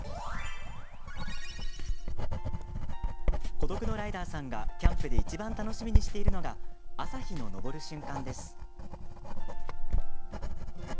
孤独のライダーさんがキャンプでいちばん楽しみにしているのが朝日の昇る瞬間です。